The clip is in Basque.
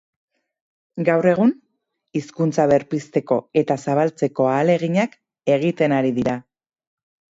Gaur egun, hizkuntza berpizteko eta zabaltzeko ahaleginak egiten ari dira.